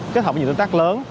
kết hợp với những đối tác lớn